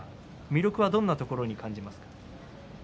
魅力はどんなところに感じますか？